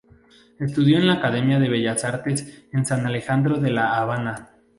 Estudió en la Academia de Bellas Artes de San Alejandro en La Habana.